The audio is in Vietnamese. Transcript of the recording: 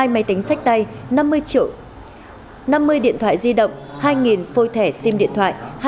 hai máy tính sách tay năm mươi điện thoại di động hai phôi thẻ sim điện thoại